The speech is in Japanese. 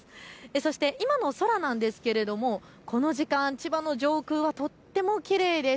そして今の空なんですけれどもこの時間、千葉上空はとってもきれいです。